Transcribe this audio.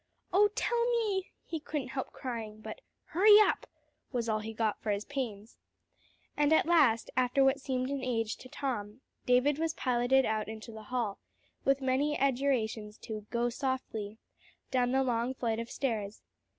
"Oh, tell me," he couldn't help crying; but "Hurry up!" was all he got for his pains. And at last, after what seemed an age to Tom, David was piloted out into the hall, with many adjurations to "go softly," down the long flight of stairs.